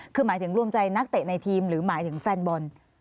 คือหมายถึงรวมใจนักเตะในทีมหรือหมายถึงแฟนบอล